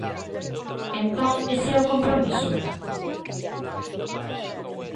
Entón ¿ese é o compromiso?